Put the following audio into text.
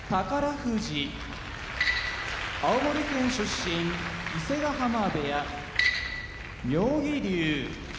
富士青森県出身伊勢ヶ濱部屋妙義龍